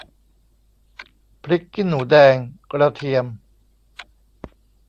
พริกขี้หนูแดง กระเทียม